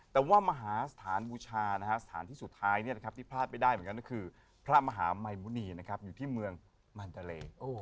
แต่ว่ามหาสถานบูชาสถานที่สุดท้ายที่พลาดไม่ได้เหมือนกันก็คือพระมหามัยมุณีอยู่ที่เมืองมันดาเล